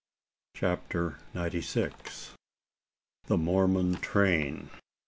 CHAPTER NINETY SIX. THE MORMON TRAIN.